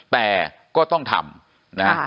แต่ก็ต้องทำ